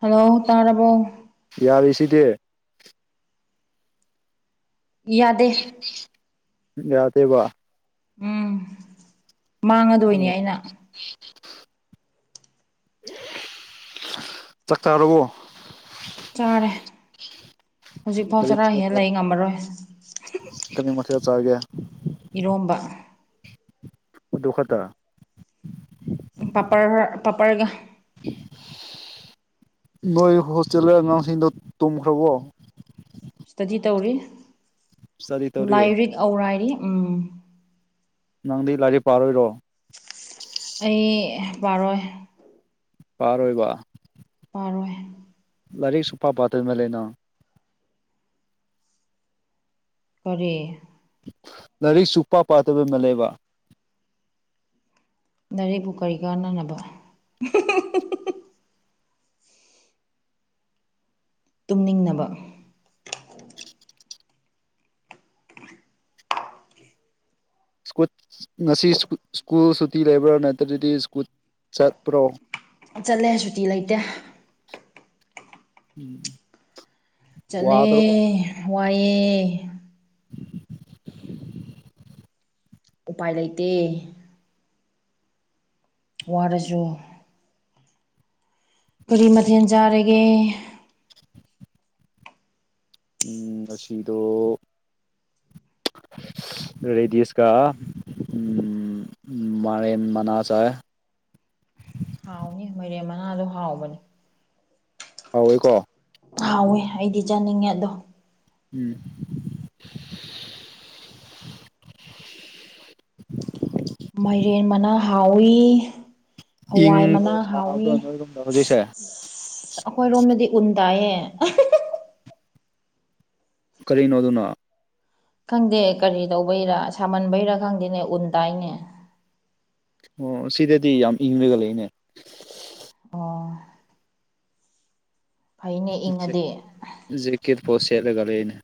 Hello ꯇꯥꯔꯕꯣ ꯌꯥꯔꯤꯁꯤꯗꯤ ꯌꯥꯗꯦ ꯌꯥꯗꯦꯕ ꯎꯝ ꯃꯥꯡꯉꯗꯣꯏꯅꯤ ꯑꯣ ꯑꯩꯅ ꯆꯥꯛꯆꯥꯔꯕꯣ ꯆꯥꯔꯦ ꯍꯧꯖꯤꯛꯐꯥꯎ ꯆꯔꯥ ꯍꯦ ꯂꯩ ꯉꯝꯃꯔꯣꯏ ꯀꯃꯤ ꯃꯊꯦꯜ ꯆꯥꯒꯦ ꯏꯔꯣꯝꯕ ꯗꯨ ꯈꯠꯇ ꯄꯥꯄꯔ ꯄꯥꯄꯔꯒ ꯅꯣꯏ ꯍꯣꯁꯇꯦꯜꯗ ꯑꯉꯥꯡꯁꯤꯡꯗꯣ ꯇꯨꯝꯈ꯭ꯔꯕꯣ ꯏꯁꯇꯗꯤ ꯇꯧꯔꯤ ꯏꯁꯇꯗꯤ ꯇꯧꯔꯤ ꯂꯥꯏꯔꯤꯛ ꯑꯧꯔꯥꯏꯔꯤ ꯎꯝ ꯅꯪꯗꯤ ꯂꯥꯏꯔꯤꯛ ꯄꯥꯔꯣꯏꯔꯣ ꯑꯩ ꯄꯥꯔꯣꯏ ꯄꯤꯔꯣꯏꯕ ꯄꯥꯔꯣꯏ ꯂꯔꯤꯛ ꯁꯨꯄꯥ ꯄꯥꯇꯗ ꯃꯦ ꯂꯩꯅꯣ ꯀꯔꯤ ꯂꯥꯏꯔꯤꯛ ꯁꯨ ꯄ ꯄꯥꯠꯇꯕ ꯃꯥꯜ ꯂꯦꯕ ꯏꯔꯤꯛꯄꯨ ꯀꯔꯤ ꯀꯥꯟꯅꯅꯕ ꯇꯨꯝꯅꯤꯡꯅꯕ ꯁꯀꯨꯠ ꯉꯁꯤ ꯁ꯭ꯀꯨꯜ ꯁꯨꯇꯤ ꯂꯩꯕ꯭ꯔꯥ ꯅꯠꯇ꯭ꯔꯗꯤ ꯁ꯭ꯀꯨꯠ ꯆꯠꯄ꯭ꯔꯣ ꯆꯠꯂꯦ ꯁꯨꯇꯤ ꯂꯩꯇꯦ ꯎꯝ ꯆꯠꯂꯦ ꯋꯥꯗ꯭ꯔꯣ ꯋꯥꯏꯑꯦ ꯎꯄꯥꯏ ꯂꯩꯇꯦ ꯋꯥꯔꯁꯨ ꯀꯔꯤ ꯃꯊꯦꯜ ꯆꯥꯔꯒꯦ ꯎꯝ ꯑꯁꯤꯗꯣ ꯔꯦꯗꯤꯁ ꯀ ꯎ ꯎ ꯃꯔ ꯃꯅꯥ ꯆꯦ ꯍꯥꯎꯅꯤ ꯃꯩꯔꯦꯝ ꯃꯅꯥꯗꯣ ꯍꯥꯎꯕꯅꯦ ꯀꯥꯎꯋꯦꯀꯣ ꯍꯥꯎꯋꯦ ꯑꯩꯗꯤ ꯆꯥꯅꯤꯡꯉꯦ ꯑꯗꯣ ꯎꯝ ꯃꯥꯏꯔꯦꯟ ꯃꯅꯥ ꯍꯥꯎꯋꯤ ꯍꯋꯥꯏ ꯃꯅꯥ ꯏꯪꯕ꯭ꯔꯣ ꯁꯥꯕ꯭ꯔꯣ ꯍꯥꯎꯏꯤ ꯅꯣꯏꯔꯣꯝꯗ ꯍꯧꯖꯤꯛꯁꯦ ꯑꯩꯈꯣꯏꯔꯣꯝꯗꯗꯤ ꯎꯟ ꯇꯥꯏꯌꯦ ꯀꯔꯤꯅꯣ ꯑꯗꯨꯅ ꯈꯪꯗꯦ ꯀꯔꯤ ꯇꯧꯕꯩꯔꯥ ꯁꯥꯃꯟꯕꯩꯔꯥ ꯈꯪꯗꯦꯅꯦ ꯎꯟ ꯇꯥꯏꯅꯦ ꯑꯣ ꯁꯤꯗꯗꯤ ꯌꯥꯝ ꯏꯪꯉꯒ ꯂꯩꯅꯦ ꯑꯣ ꯐꯩꯅꯦ ꯏꯪꯉꯗꯤ ꯖꯤꯀꯦꯠ ꯄꯣ ꯁꯦꯠꯂꯒ ꯂꯩꯅꯦ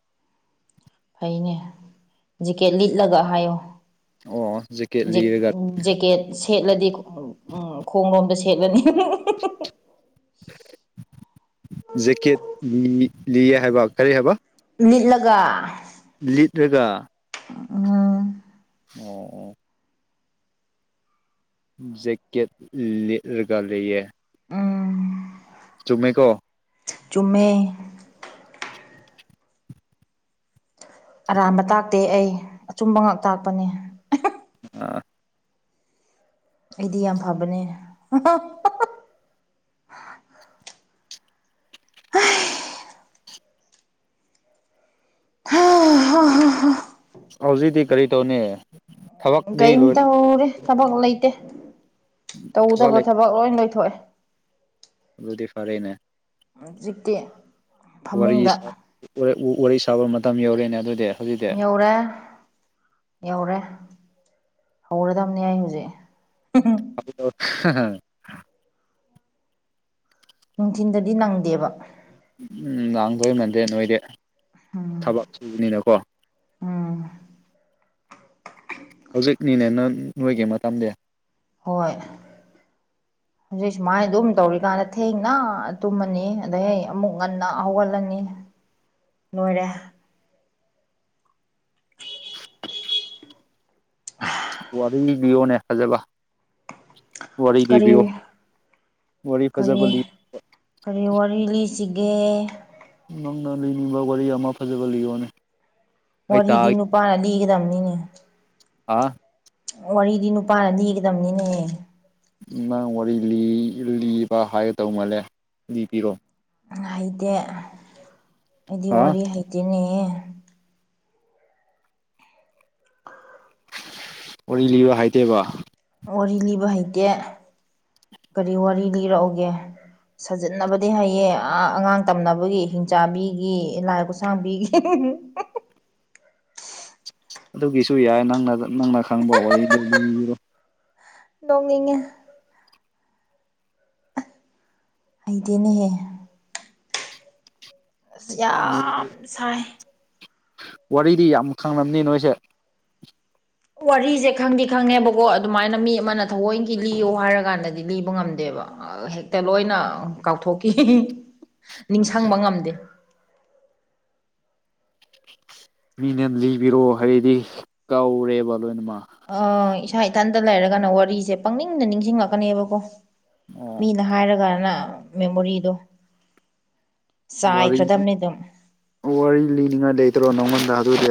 ꯐꯩꯅꯦ ꯖꯦꯀꯦꯠ ꯂꯤꯠꯂꯒ ꯍꯥꯏꯌꯣ ꯑꯣ ꯖꯦꯀꯦꯠ ꯖꯦ ꯂꯤꯔꯒ ꯖꯦꯀꯦꯠ ꯁꯦꯠꯂꯗꯤ ꯎ ꯈꯣꯡ ꯂꯣꯝꯗ ꯁꯦꯠꯂꯅꯤ ꯖꯦꯛꯀꯦꯠ ꯂꯤꯌꯦ ꯍꯥꯏꯕ ꯀꯔꯤ ꯍꯥꯏꯕ ꯂꯤꯠꯂꯒ ꯂꯤꯠꯂꯒ ꯎꯝ ꯑꯣ ꯑꯣ ꯖꯦꯛꯀꯦꯠ ꯂꯤꯂꯒ ꯂꯩꯦ ꯎꯝ ꯆꯨꯝꯃꯦꯀꯣ ꯆꯨꯝꯃꯦ ꯑꯔꯥꯟꯕ ꯇꯥꯛꯇꯦ ꯑꯩ ꯑꯆꯨꯝꯕ ꯉꯛ ꯇꯥꯛꯄꯅꯦ ꯑꯥ ꯑꯩꯗꯤ ꯌꯥꯝ ꯐꯕꯅꯦ ꯍꯥ ꯍꯧꯖꯤꯛꯤ ꯀꯔꯤ ꯇꯧꯅꯤ ꯎꯝ ꯊꯕꯛꯇꯤ ꯀꯔꯤꯝ ꯂꯣꯏꯔ ꯇꯧꯔꯦ ꯊꯕꯛ ꯂꯩꯇꯦ ꯇꯧꯗꯕ ꯊꯕꯛ ꯂꯣꯏ ꯂꯣꯏꯊꯣꯛꯑꯦ ꯑꯗꯨꯗꯤ ꯐꯔꯦꯅꯦ ꯖꯤꯛꯇ ꯋꯥꯔꯤ ꯁꯥꯕ ꯋꯥꯔꯤ ꯋꯥꯔꯤ ꯁꯥꯕ ꯃꯇꯝ ꯌꯧꯔꯦꯅꯦ ꯑꯗꯨꯗꯤ ꯍꯧꯖꯤꯛꯇꯤ ꯌꯧꯔꯦ ꯌꯧꯔꯦ ꯍꯧꯔꯗꯝꯅꯤ ꯑꯩ ꯍꯧꯖꯤꯛ [unintelligible] ꯅꯨꯡꯊꯤꯟꯗꯗꯤ ꯅꯪꯗꯦꯕ ꯎꯝ ꯂꯥꯡꯗꯣꯏ ꯃꯟꯗꯦ ꯅꯣꯏꯗꯤ ꯎꯝ ꯊꯕꯛ ꯁꯨꯕꯅꯤꯅꯀꯣ ꯍꯧꯖꯤꯛꯅꯤꯅꯦ ꯅꯪ ꯅꯣꯏꯒꯤ ꯃꯇꯝꯗꯤ ꯍꯣꯏ ꯍꯧꯖꯤꯛ ꯁꯨꯃꯥꯏꯅ ꯑꯗꯨꯝ ꯇꯧꯔꯤꯀꯥꯟꯗ ꯊꯦꯡꯅ ꯇꯨꯝꯃꯅꯤ ꯑꯗꯩ ꯑꯃꯨꯛ ꯉꯟꯅ ꯍꯧꯒꯠꯂꯅꯤ ꯂꯣꯏꯔꯦ [inaudible] ꯋꯥꯔꯤ ꯂꯤꯌꯣꯅꯦ ꯐꯖꯕ ꯋꯥꯔꯤ ꯀꯔꯤ ꯂꯤꯕꯤꯌꯣ ꯋꯥꯔꯤ ꯐꯖꯕ ꯀꯔꯤ ꯂꯤ ꯀꯔꯤ ꯋꯥꯔꯤ ꯂꯤꯁꯤꯒꯦ ꯅꯪꯅ ꯂꯤꯅꯤꯡꯕ ꯋꯥꯔꯤ ꯑꯃ ꯐꯖꯕ ꯂꯤꯌꯣꯅꯦ ꯑꯩ ꯋꯥꯔꯤꯗꯤ ꯇꯥꯒꯦ ꯅꯨꯄꯥꯅ ꯂꯤꯒꯗꯝꯅꯤꯅꯦ ꯑ ꯋꯥꯔꯤꯗꯤ ꯅꯨꯄꯥꯅ ꯂꯤꯒꯗꯝꯅꯤꯅꯦꯍꯦ ꯅꯪ ꯋꯥꯔꯤ ꯂꯤ ꯂꯤꯕ ꯍꯥꯏꯒꯗꯧ ꯃꯥꯜꯂꯦ ꯂꯤꯕꯤꯔꯣ ꯍꯩꯇꯦ ꯑꯩꯗꯤ ꯍꯥ ꯋꯥꯔꯤ ꯍꯩꯇꯦꯅꯦꯍ ꯋꯥꯔꯤ ꯂꯤꯕ ꯍꯥꯏꯇꯦꯕ ꯋꯥꯔꯤ ꯂꯤꯕ ꯍꯩꯇꯦ ꯀꯔꯤ ꯋꯥꯔꯤ ꯂꯤꯔꯛꯎꯒꯦ ꯁꯥꯖꯤꯟꯅꯕꯗꯤ ꯍꯩꯌꯦ ꯑ ꯑꯉꯥꯡ ꯇꯝꯅꯕꯒꯤ ꯍꯤꯡꯆꯥꯕꯤꯒꯤ ꯂꯥꯏꯈꯨꯠꯁꯥꯡ ꯁꯥꯡꯕꯤꯒꯤ ꯑꯗꯨꯒꯤꯁꯨ ꯌꯥꯏ ꯅꯪꯅ ꯅꯪꯅ ꯈꯪꯕ ꯋꯥꯔꯤꯗꯨ ꯂꯤꯕꯤꯔꫭ ꯅꯣꯛꯅꯤꯡꯉꯦ ꯍꯩꯇꯦꯅꯦꯍꯦ ꯑꯁ ꯌꯥ ꯃꯥ [unintelligible] ꯁꯥꯏ ꯋꯥꯔꯤꯗꯤ ꯌꯥꯝ ꯈꯪꯂꯝꯅꯤ ꯅꯣꯏꯁꯦ ꯋꯥꯔꯤꯁꯦ ꯈꯪꯗꯤ ꯈꯪꯉꯦꯕꯀꯣ ꯑꯗꯨꯃꯥꯏꯅ ꯃꯤ ꯑꯃꯅ ꯊꯑꯣꯏꯀꯤ ꯂꯤꯌꯣ ꯍꯥꯏꯔꯀꯥꯟꯗꯗꯤ ꯂꯤꯕ ꯉꯝꯗꯦꯕ ꯍꯦꯛꯇ ꯂꯣꯏꯅ ꯀꯥꯎꯊꯣꯛꯈꯤ ꯍꯤꯍꯤ ꯅꯤꯡꯁꯪꯕ ꯉꯝꯗꯦ ꯃꯤꯅꯦ ꯂꯤꯕꯤꯔꯣ ꯍꯥꯏꯗꯤ ꯀꯧꯔꯦꯕ ꯂꯣꯏꯅꯃꯛ ꯑ ꯏꯁꯥ ꯏꯊꯟꯇ ꯂꯩꯔꯒꯅ ꯋꯥꯔꯤꯁꯦ ꯄꯪꯅꯤꯡꯗ ꯅꯤꯡꯁꯤꯡꯂꯛꯀꯅꯦꯕꯀꯣ ꯑꯣꯝ ꯃꯤꯅ ꯍꯥꯏꯔꯒꯅ ꯃꯦꯃꯣꯔꯤꯗꯣ ꯋꯥꯔꯤ ꯆꯥꯏꯈ꯭ꯔꯗꯕꯅꯤ ꯑꯗꯨꯝ ꯋꯥꯔꯤ ꯂꯤꯅꯤꯡꯉꯥꯏ ꯂꯩꯇ꯭ꯔꯣ ꯅꯪꯉꯣꯟꯗ ꯑꯗꯨꯗꯤ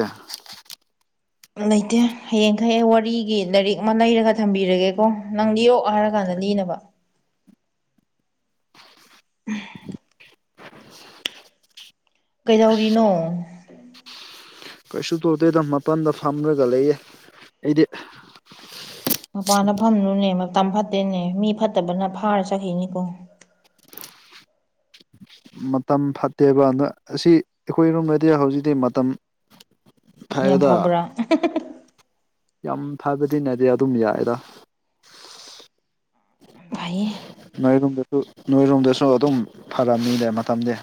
ꯂꯩꯇꯦ ꯍꯌꯦꯡꯈꯩ ꯑꯩ ꯋꯥꯔꯤꯒꯤ ꯂꯥꯏꯔꯤꯛ ꯑꯃ ꯂꯩꯔꯒ ꯊꯝꯕꯤꯔꯒꯦꯀꯣ ꯅꯪ ꯂꯤꯔꯣꯛ ꯍꯥꯏꯔꯀꯥꯟꯗ ꯂꯤꯅꯕ ꯎ ꯀꯩꯗꯧꯔꯤꯅꯣ ꯀꯩꯁꯨ ꯇꯧꯗꯦꯗ ꯃꯄꯥꯟꯗ ꯐꯝꯔꯒ ꯂꯩꯌꯦ ꯑꯩꯗꯤ ꯃꯄꯥꯟꯗ ꯐꯝꯅꯨꯅꯦ ꯃꯇꯝ ꯐꯠꯇꯦꯅꯦ ꯃꯤ ꯐꯠꯇꯕꯅ ꯐꯥꯔ ꯆꯠꯈꯤꯅꯤꯀꯣ ꯃꯇꯝ ꯐꯠꯇꯦꯕ ꯑꯗꯣ ꯑꯁꯤ ꯑꯩꯈꯣꯏꯔꯣꯝꯗꯗꯤ ꯍꯧꯖꯤꯛꯇꯤ ꯃꯇꯝ ꯌꯥꯝ ꯐꯩꯌꯦꯗ ꯐꯕ꯭ꯔꯥ ꯌꯥꯝ ꯐꯕꯗꯤ ꯅꯗꯦ ꯑꯗꯨꯝ ꯌꯥꯏꯗ ꯐꯩꯌꯦ ꯅꯣꯏꯒꯨꯝꯕ ꯗꯨ ꯅꯣꯏꯔꯣꯝꯗꯁꯨ ꯑꯗꯨꯝ ꯐꯔꯝꯅꯤꯅꯦ ꯃꯇꯝꯗꯤ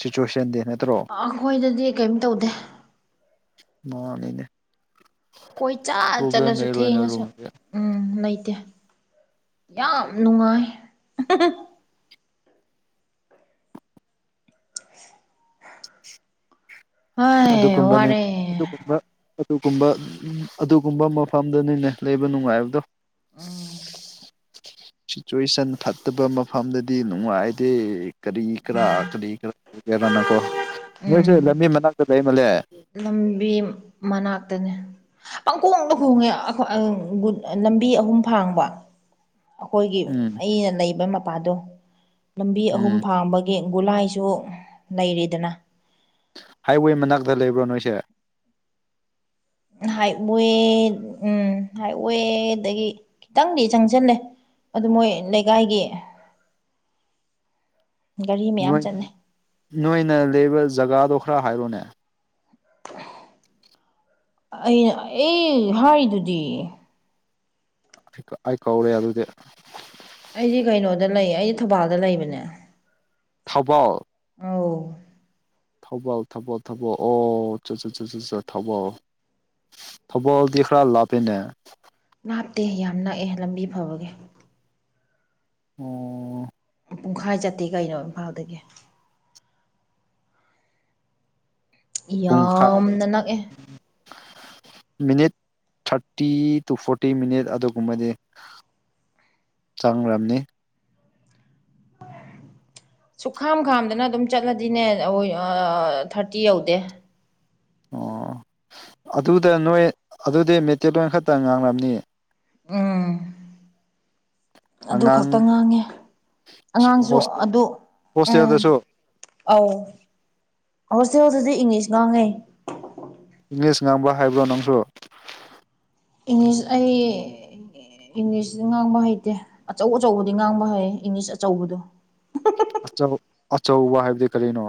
ꯁꯤꯆꯨꯋꯦꯁꯟꯗꯤ ꯅꯠꯇ꯭ꯔꯣ ꯑꯈꯣꯏꯗꯗꯤ ꯀꯩꯏꯝ ꯇꯧꯗꯦ ꯃꯥꯅꯤꯅꯦ ꯀꯣꯏ ꯆꯠ ꯄ꯭ꯔꯣꯕ꯭ꯂꯦꯝ ꯆꯠꯂꯁꯨ ꯂꯩꯔꯣꯏ ꯊꯦꯡꯉꯁꯨ ꯅꯣꯏꯔꯣꯝꯗꯗꯤ ꯎꯝ ꯂꯩꯇꯦ ꯌꯥꯝ ꯅꯨꯡꯉꯥꯏ [inaudible] ꯍꯥꯏ ꯑꯗꯨꯒꯨꯝꯕꯅꯤ ꯋꯥꯔꯦ ꯑꯗꯨꯒꯨꯝꯕ ꯑꯗꯨꯒꯨꯝꯕ ꯑꯗꯨꯒꯨꯝꯕ ꯃꯐꯝꯗꯅꯤꯅꯦ ꯂꯩꯕ ꯅꯨꯡꯉꯥꯏꯕꯗꯣ ꯏꯁ ꯎꯝ ꯁꯤꯆꯨꯋꯦꯁꯟ ꯐꯠꯇꯕ ꯃꯐꯝꯗꯗꯤ ꯅꯨꯡꯉꯥꯏꯗꯦ ꯀꯔꯤ ꯀꯔꯥ ꯀꯔꯤ ꯀꯔꯥ ꯎꯗꯦꯗꯅꯀꯣ ꯎꯝ ꯅꯣꯏꯁꯦ ꯂꯝꯕꯤ ꯃꯅꯥꯛꯇ ꯂꯩꯃꯜꯂꯦ ꯂꯝꯕꯤ ꯃꯅꯥꯛꯇꯅꯤ ꯄꯪꯀꯣꯡꯗ ꯈꯣꯡꯉꯦ ꯑꯈꯣꯏ ꯂꯝꯕꯤ ꯑꯍꯨꯝ ꯐꯥꯡꯕ ꯑꯩꯈꯣꯏꯒꯤ ꯎꯝ ꯑꯩꯅ ꯂꯩꯕ ꯃꯄꯥꯗꯣ ꯂꯝꯕꯤ ꯑꯍꯨꯝ ꯎꯝ ꯐꯥꯡꯕꯒꯤ ꯒꯨꯂꯥꯏꯁꯨ ꯂꯩꯔꯤꯗꯅ ꯍꯥꯏꯋꯦ ꯃꯅꯥꯛꯇ ꯂꯩꯕ꯭ꯔꯣ ꯅꯣꯏꯁꯦ ꯍꯥꯏꯋꯦ ꯎꯝ ꯍꯥꯏꯋꯦ ꯗꯒꯤ ꯈꯤꯇꯪꯗꯤ ꯆꯪꯖꯜꯂꯦ ꯑꯗꯨ ꯃꯣꯏ ꯂꯩꯀꯥꯏꯒꯤ ꯒꯥꯔꯤ ꯃꯌꯥꯝ ꯅꯣꯏ ꯆꯠꯂꯦ ꯅꯣꯏꯅ ꯂꯩꯕ ꯖꯒꯥꯗꯣ ꯈꯔ ꯍꯥꯏꯔꯣꯅꯦ [unintelligible] ꯑꯩꯅ ꯑꯩ ꯍꯥꯏꯔꯤꯗꯨꯗꯤ ꯑꯩ ꯀꯧꯔꯦ ꯑꯗꯨꯗꯤ ꯑꯩꯗꯤ ꯀꯩꯅꯣꯗ ꯂꯩ ꯑꯩ ꯊꯧꯕꯥꯜꯗ ꯂꯩꯕꯅꯦ ꯊꯧꯕꯥꯜ ꯑꯧ ꯊꯧꯕꯥꯜ ꯊꯧꯕꯥꯜ ꯊꯧꯕꯥꯜ ꯑꯣ ꯆꯠ ꯆꯠ ꯆꯠ ꯆꯠ ꯊꯧꯕꯥꯜ ꯊꯧꯕꯥꯜꯗꯤ ꯈꯔꯥ ꯂꯥꯞꯄꯦꯅꯦ ꯥꯂꯥꯞꯇꯦ ꯌꯥꯝ ꯅꯛꯑꯦ ꯂꯝꯕꯤ ꯐꯕꯒꯤ ꯑꯣ ꯄꯨꯡꯈꯥꯏ ꯆꯠꯇꯦ ꯀꯩꯅꯣ ꯏꯝꯐꯥꯜꯗꯒꯤ ꯄꯨꯡꯈꯥꯏ ꯌꯥꯝꯅ ꯅꯛꯑꯦ minute thirty to forty minute ꯑꯗꯨꯒꯨꯝꯕꯗꯤ ꯆꯪꯔꯝꯅꯤ ꯁꯨꯛꯈꯥꯝ ꯈꯥꯝꯗꯅ ꯑꯗꯨꯝ ꯆꯠꯂꯗꯤꯅꯦ ꯑꯣꯏ ꯑꯥ ꯊꯥꯔꯇꯤ ꯌꯧꯗꯦ꯫ ꯑꯣ ꯑꯗꯨꯗ ꯅꯣꯏ ꯑꯗꯨꯗꯤ ꯃꯩꯇꯩꯂꯣꯟ ꯈꯛꯇ ꯉꯥꯡꯂꯝꯅꯤ꯫ ꯎꯝ ꯑꯗꯨ ꯈꯛꯇ ꯑꯉꯥꯡ ꯉꯥꯡꯉꯦ꯫ ꯑꯉꯥꯡꯁꯨ ꯍꯣꯁꯇꯦꯜ ꯑꯗꯨ ꯎꯝ ꯍꯣꯁꯇꯦꯜꯗꯁꯨ ꯑꯧ ꯍꯣꯇꯦꯜ ꯗꯥꯖꯨ ꯏꯪꯂꯤꯁ ꯉꯥꯡꯉꯦ ꯏꯪꯂꯤꯁ ꯉꯥꯡꯕ ꯍꯩ ꯕꯔ꯭ ꯅꯪꯁꯨ? ꯏꯪꯂꯤꯁ ꯑꯩ ꯏꯪꯂꯤꯁ ꯉꯥꯡꯕ ꯍꯩꯇꯦ ꯑꯆꯧ ꯑꯆꯧꯕꯗꯤ ꯉꯥꯡꯕ ꯍꯩ ꯏꯪꯂꯤꯁ ꯑꯆꯧꯕꯗꯣ ꯑꯆꯧ ꯑꯆꯧꯕ ꯍꯥꯏꯕꯗꯤ ꯀꯔꯤꯅꯣ?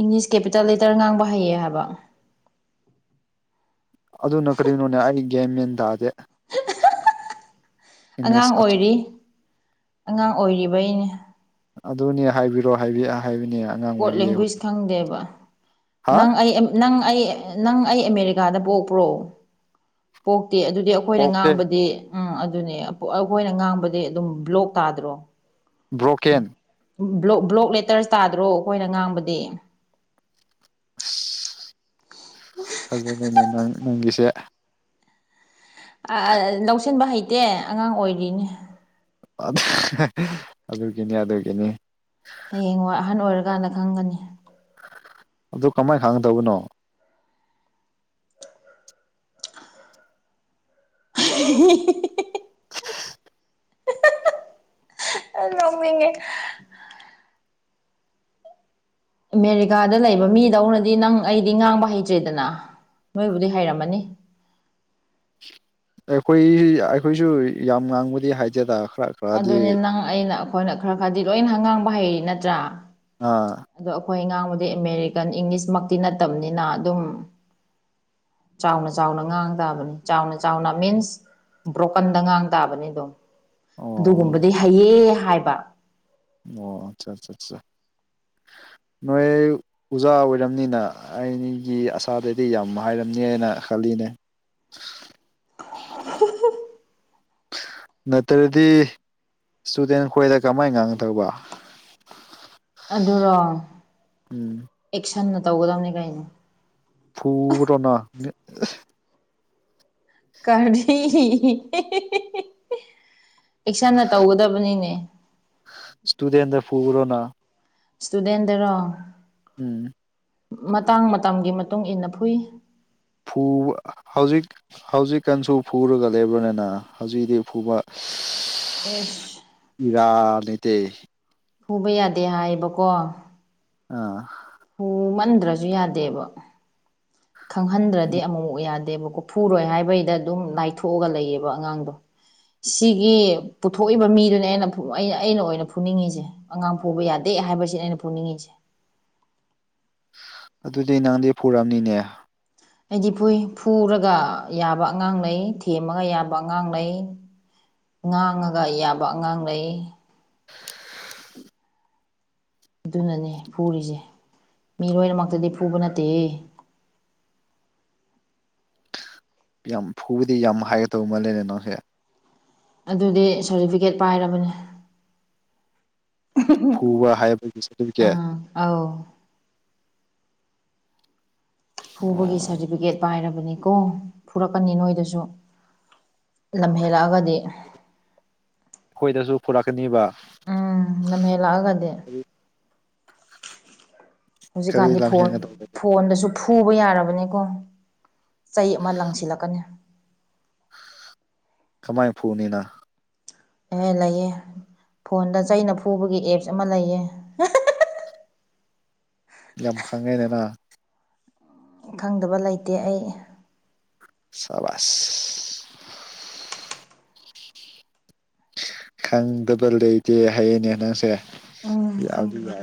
ꯏꯪꯂꯤꯁ ꯀꯦꯄꯤꯇꯦꯜ ꯂꯦꯇꯔ ꯉꯥꯡꯕ ꯍꯩꯌꯦ ꯍꯥꯏꯕ ꯑꯗꯨꯅ ꯀꯔꯤꯅꯣꯅꯦ ꯑꯩ ꯒꯌ꯭ꯥꯟ ꯃꯦꯟ ꯇꯥꯗꯦ꯫ ꯑꯉꯥꯡ ꯏꯪꯂꯤꯁ ꯑꯆꯧ ꯑꯣꯏꯔꯤ ꯑꯉꯥꯡ ꯑꯣꯏꯔꯤꯕꯩꯅꯦ ꯑꯗꯨꯅꯦ ꯍꯥꯏꯕꯤꯔꯣ ꯍꯥꯏꯕꯤ ꯍꯥꯏꯕꯅꯦ ꯑꯉꯥꯡ ꯀꯣꯠ ꯑꯣꯏꯔꯤꯌꯦ ꯂꯦꯡꯒꯣꯏꯖ ꯑꯩꯈꯣꯏ ꯈꯪꯗꯦꯕ ꯍꯥ ꯅꯪ ꯑꯩ ꯑꯦꯝ ꯅꯪ ꯑꯩ ꯅꯪ ꯑꯩ ꯑꯦꯃꯦꯔꯤꯀꯥꯗ ꯄꯣꯛꯄ꯭ꯔꯣ ꯄꯣꯛꯇꯦ ꯑꯗꯨꯗꯤ ꯑꯩꯈꯣꯏꯅ ꯀꯣꯛꯁꯦ ꯉꯥꯡꯕꯗꯤ ꯎꯝ ꯑꯗꯨꯅꯦ ꯑꯩꯈꯣꯏꯅ ꯉꯥꯡꯕꯗꯤ ꯑꯗꯨꯝ ꯕ꯭ꯂꯣꯛ ꯇꯥꯗ꯭ꯔꯣ ꯕ꯭ꯔꯣꯀꯦꯟ ꯕ꯭ꯂꯣꯛ ꯕ꯭ꯂꯣꯛ ꯂꯦꯇꯔꯁ ꯇꯥꯗ꯭ꯔꯣ ꯑꯩꯈꯣꯏꯅ ꯉꯥꯡꯕꯗꯤ ꯏꯁ ꯐꯖꯔꯦꯅꯦ ꯅꯪꯒꯤꯁꯦ ꯑꯥ ꯑꯥ ꯂꯧꯁꯤꯟꯕ ꯍꯩꯇꯦ ꯑꯉꯥꯡ ꯑꯣꯏꯔꯤꯅꯦ ꯑꯗꯨꯒꯤꯅꯤ ꯑꯗꯨꯒꯤꯅꯤ ꯍꯌꯦꯡꯋꯥꯏ ꯑꯍꯟ ꯑꯣꯏꯔꯀꯥꯟꯗ ꯈꯪꯒꯅꯤ ꯑꯗꯨ ꯀꯃꯥꯏ ꯈꯪꯒꯗꯕꯅꯣ [unintelligible] ꯅꯣꯛꯅꯤꯡꯉꯦ ꯑꯃꯦꯔꯤꯀꯥꯗ ꯂꯩꯕ ꯃꯤꯗꯧꯅꯗꯤ ꯅꯪ ꯑꯩꯗꯤ ꯉꯥꯡꯕ ꯍꯩꯇ꯭ꯔꯦꯗꯅ ꯅꯣꯏꯕꯨꯗꯤ ꯍꯩꯔꯝꯃꯅꯤ ꯑꯩꯈꯣꯏ ꯑꯩꯈꯣꯏꯁꯨ ꯌꯥꯝ ꯉꯥꯡꯕꯗꯤ ꯍꯥꯏꯇꯦꯗ ꯈꯔ ꯈꯔꯗꯤ ꯑꯗꯨꯅꯦ ꯅꯪ ꯑꯩꯅ ꯑꯩꯈꯣꯏꯅ ꯈꯔ ꯈꯔꯗꯤ ꯂꯣꯏꯅ ꯉꯥꯡꯕ ꯍꯩꯔꯤ ꯅꯠꯇ꯭ꯔꯥ ꯑꯥ ꯑꯗꯣ ꯑꯈꯣꯏ ꯉꯥꯡꯕꯗꯤ ꯑꯦꯃꯦꯔꯤꯀꯥꯟ ꯏꯪꯂꯤꯁꯃꯛꯇꯤ ꯅꯠꯇꯕꯅꯤꯅ ꯑꯗꯨꯝ ꯆꯥꯎꯅ ꯆꯥꯎꯅ ꯉꯥꯡ ꯇꯥꯕꯅꯤ ꯆꯥꯎꯅ ꯆꯥꯎꯅ ꯃꯤꯟꯁ ꯕ꯭ꯔꯣꯀꯟꯗ ꯉꯥꯡ ꯇꯥꯕꯅꯤ ꯑꯗꯨꯝ ꯑꯣ ꯑꯗꯨꯒꯨꯝꯕꯗꯤ ꯍꯩꯌꯦ ꯍꯥꯏꯕ ꯑꯣ ꯑꯠꯆꯥ ꯆꯠꯆꯥ [inaudible] ꯅꯣꯏ ꯑꯣꯖꯥ ꯑꯣꯏꯔꯝꯅꯤꯅ ꯑꯩꯒꯤ ꯑꯁꯥꯗꯗꯤ ꯌꯥꯝ ꯍꯥꯏꯔꯝꯅꯦꯅ ꯈꯜꯂꯤꯅꯦ ꯅꯠꯇ꯭ꯔꯗꯤ ꯏꯁꯇꯨꯗꯦꯟ ꯈꯣꯏꯗ ꯀꯃꯥꯏꯅ ꯉꯥꯡꯗꯧꯕ ꯑꯗꯨꯔꯣ ꯎꯝ ꯑꯦꯛꯁꯟꯅ ꯇꯧꯒꯗꯕꯅꯤ ꯀꯩꯅꯣ ꯐꯨꯕꯗꯣꯅ ꯀꯔꯤ ꯑꯦꯛꯁꯟꯅ ꯇꯧꯒꯗꯕꯅꯤꯅꯦ ꯏꯁꯇꯨꯗꯦꯟꯗ ꯐꯨꯕꯔꯣꯅ ꯏꯁꯇꯨꯗꯦꯟꯗꯔꯣ ꯎꯝ ꯃꯇꯥꯡ ꯃꯇꯝꯒꯤ ꯃꯇꯨꯡ ꯏꯟꯅ ꯐꯨꯏ ꯐꯨ ꯍꯧꯖꯤꯛ ꯍꯧꯖꯤꯛꯀꯥꯟꯁꯨ ꯐꯨꯔꯒ ꯂꯩꯕ꯭ꯔꯅꯦꯅ ꯍꯧꯖꯤꯛꯇꯤ ꯐꯨꯕ ꯏꯁ ꯑꯦꯁ ꯏꯔꯥ ꯅꯇꯦ ꯐꯨꯕ ꯌꯥꯗꯦ ꯍꯥꯏꯌꯦꯕꯀꯣ ꯑꯥ ꯐꯨꯃꯟꯗ꯭ꯔꯁꯨ ꯌꯥꯗꯦꯕ ꯈꯪꯍꯟꯗ꯭ꯔꯗꯤ ꯑꯃꯨ ꯃꯨꯛ ꯌꯥꯗꯦꯕꯀꯣ ꯐꯨꯔꯣꯏ ꯍꯥꯏꯕꯩꯗ ꯑꯗꯨꯝ ꯂꯥꯏꯊꯣꯛꯑꯒ ꯂꯩꯌꯦꯕ ꯑꯉꯥꯡꯗꯣ ꯁꯤꯒꯤ ꯄꯨꯊꯣꯛꯏꯕ ꯃꯤꯗꯨꯅꯦ ꯑꯩꯅ ꯑꯩꯅ ꯑꯩꯅ ꯑꯣꯏꯅ ꯐꯨꯅꯤꯡꯉꯤꯁꯦ ꯑꯉꯥꯡ ꯐꯨꯕ ꯌꯥꯗꯦ ꯍꯥꯏꯕꯁꯤ ꯑꯩꯅ ꯐꯨꯅꯤꯡꯉꯤꯁꯦ ꯑꯗꯨꯗꯤ ꯅꯪꯗꯤ ꯐꯨꯔꯝꯅꯤꯅꯦ ꯑꯩꯗꯤ ꯐꯨꯏ ꯐꯨꯔꯒ ꯌꯥꯕ ꯑꯉꯥꯡ ꯂꯩ ꯊꯦꯝꯃꯒ ꯌꯥꯕ ꯑꯉꯥꯡ ꯂꯩ ꯉꯥꯡꯉꯒ ꯌꯥꯕ ꯑꯉꯥꯡ ꯂꯩ ꯑꯗꯨꯅꯅꯦ ꯐꯨꯔꯤꯁꯦ ꯃꯤ ꯂꯣꯏꯅꯃꯛꯇꯗꯤ ꯐꯨꯕ ꯅꯠꯇꯦꯍꯦ ꯌꯥꯝ ꯐꯨꯕꯗꯤ ꯌꯥꯝ ꯍꯥꯏꯒꯗꯕ ꯃꯥꯜꯂꯦ ꯅꯪꯁꯦ ꯑꯗꯨꯗꯤ ꯁꯥꯔꯇꯤꯐꯤꯀꯦꯠ ꯄꯥꯏꯔꯕꯅꯤ ꯐꯨꯕ ꯍꯥꯏꯕꯒꯤ ꯁꯥꯔꯇꯤꯐꯤꯀꯦꯠ ꯑꯥꯎ ꯑꯣ ꯐꯨꯕꯒꯤ ꯁꯥꯔꯇꯤꯐꯤꯀꯦꯠ ꯄꯥꯏꯔꯕꯅꯤꯀꯣ ꯐꯨꯔꯛꯀꯅꯤ ꯅꯣꯏꯗꯁꯨ ꯂꯝ ꯍꯦꯟꯂꯛꯑꯒꯗꯤ ꯑꯩꯈꯣꯏꯗꯁꯨ ꯐꯨꯔꯛꯀꯅꯤꯕ ꯎꯝ ꯂꯝꯍꯦꯟꯂꯥꯛꯑꯒꯗꯤ ꯀꯔꯤ ꯍꯧꯖꯤꯛꯀꯥꯟꯗꯤ ꯐꯣꯟ ꯂꯝꯍꯦꯟꯒꯗꯧꯕ ꯐꯣꯟꯗꯁꯨ ꯐꯨꯕ ꯌꯥꯔꯕꯅꯤꯀꯣ ꯆꯩ ꯑꯃ ꯂꯪꯁꯤꯜꯂꯛꯀꯅꯤ ꯀꯃꯥꯏꯅ ꯐꯨꯅꯤꯅ ꯑꯦ ꯂꯩꯌꯦ ꯐꯣꯟꯗ ꯆꯩꯅ ꯐꯨꯕꯒꯤ ꯑꯦꯞꯁ ꯑꯃ ꯂꯩꯌꯦ ꯌꯥꯝ ꯈꯪꯉꯦꯅꯦꯅ ꯈꯪꯗꯕ ꯂꯩꯇꯦ ꯑꯩ ꯁꯕꯥꯥꯁ ꯈꯪꯗꯕ ꯂꯩꯇꯦ ꯍꯥꯏꯌꯦꯅꯦ ꯅꯪꯁꯦꯗꯤ ꯎꯝ ꯌꯥꯏꯕꯗꯤ ꯈꯪꯗꯕ ꯌꯥꯏ